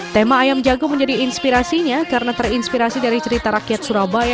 tema ayam jago menjadi inspirasinya karena terinspirasi dari cerita rakyat surabaya